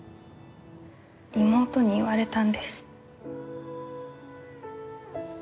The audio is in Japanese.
妹に言われたんです。